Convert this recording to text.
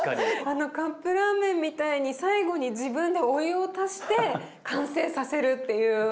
あのカップラーメンみたいに最後に自分でお湯を足して完成させるっていう。